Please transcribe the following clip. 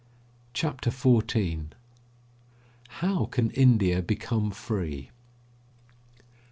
CHAPTER XIV HOW CAN INDIA BECOME FREE?